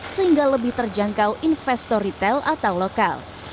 sehingga lebih terjangkau investor retail atau lokal